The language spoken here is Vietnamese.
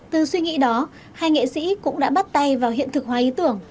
từ suy nghĩ đó hai nghệ sĩ cũng đã bắt tay vào hiện thực hóa ý tưởng